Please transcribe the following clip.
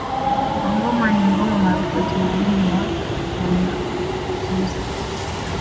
Mangoma ni ngoma maarufu ya utamaduni wa Wanyakyusa